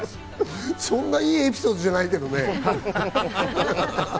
そんないいエピソードじゃないけどね。